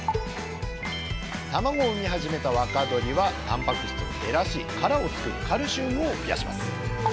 たまごを産み始めた若鶏はたんぱく質を減らし殻を作るカルシウムを増やします。